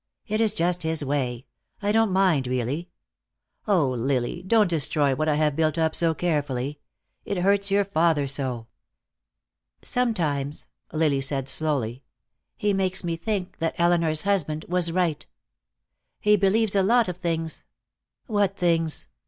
"It is just his way. I don't mind, really. Oh, Lily, don't destroy what I have built up so carefully. It hurts your father so." "Sometimes," Lily said slowly, "he makes me think Aunt Elinor's husband was right. He believes a lot of things " "What things?"